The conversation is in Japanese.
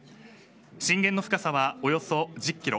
震源の深さはおよそ１０キロ。